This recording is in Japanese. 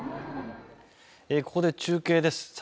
ここで中継です。